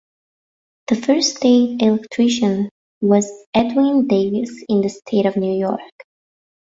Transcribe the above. The first state electrician was Edwin Davis in the state of New York.